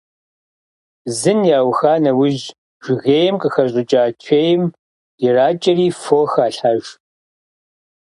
Зын яуха нэужь жыгейм къыхэщӏыкӏа чейм иракӀэри фо халъхьэж.